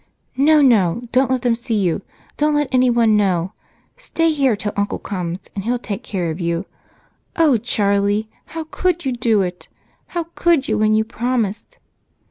"No, no don't let them see you! Don't let anyone know! Stay here till Uncle comes, and he'll take care of you. Oh, Charlie! How could you do it! How could you when you promised?"